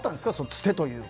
つてというか。